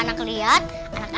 jadi nanti kalau anak anak lihat